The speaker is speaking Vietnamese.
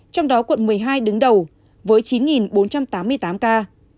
trong đó quận một mươi hai đứng đầu với chín bốn trăm tám mươi tám ca